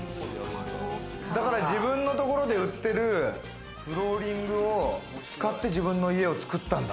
だから自分のところで売ってるフローリングを使って、自分の家を作ったんだ。